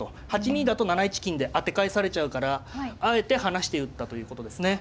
８二だと７一金で当て返されちゃうからあえて離して打ったということですね。